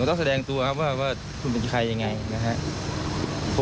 ต้องแสดงตัวครับว่าคุณเป็นใครยังไงนะครับ